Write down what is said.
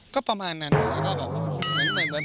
ก็ประมาณนั้น